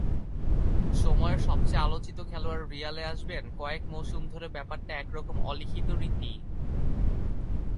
সময়ের সবচেয়ে আলোচিত খেলোয়াড় রিয়ালে আসবেন, কয়েক মৌসুম ধরে ব্যাপারটা একরকম অলিখিত রীতিই।